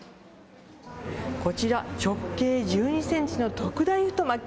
こちら、直径１２センチの特大太巻き。